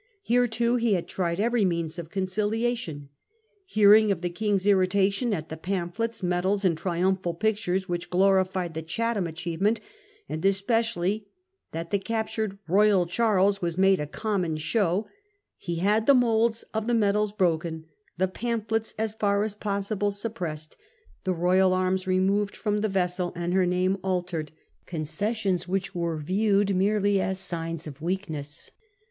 Here too he had tried every means of conciliation. Hearing of the King's irri tation at the pamphlets, medals, and triumphal pictures which glorified the Chatham achievement, and especially that the captured 1 Royal Charles * was made a common show, he had the moulds of the medals broken, the pamphlets as far as possible suppressed, the royal arms removed from the vessel and her name altered — conces sions which were viewed merely as signs of weakness.